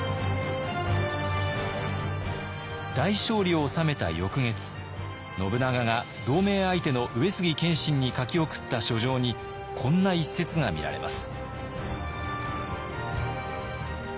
大勝利を収めた翌月信長が同盟相手の上杉謙信に書き送った書状にこんな一説が見られます。